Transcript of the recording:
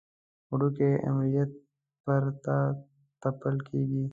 وړوکی امریت پر تا تپل کېږي.